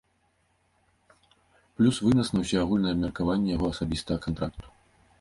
Плюс вынас на ўсеагульнае абмеркаванне яго асабістага кантракту.